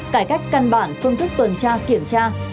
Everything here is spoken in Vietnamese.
cải cách căn bản phương thức tuần tra kiểm tra